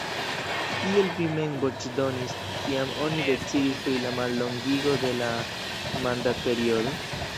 Kiel vi mem voĉdonis, kiam oni decidis pri la mallongigo de la mandatperiodo?